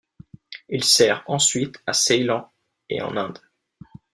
Il sert ensuite à Ceylan et en Inde.